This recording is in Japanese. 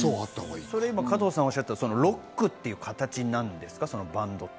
加藤さんがおっしゃった、ロックという形なんですか？